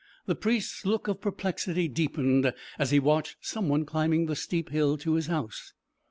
The priest's look of perplexity deepened as he watched some one climbing the steep hill to his house.